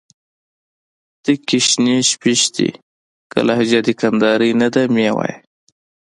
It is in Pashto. تکي شنې شپيشتي. که لهجه دي کندهارۍ نه ده مې وايه